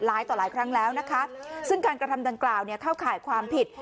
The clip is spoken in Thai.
ต่อหลายครั้งแล้วนะคะซึ่งการกระทำดังกล่าวเนี่ยเข้าข่ายความผิด